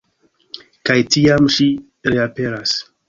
Kaj tiam ŝi reaperas.